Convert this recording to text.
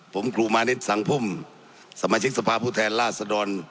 ผมกลุมานิดสังพุ่มสมาชิกสภาพูดแทนล่าสะดอน